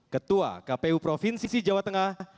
ketua kpu provinsi jawa tengah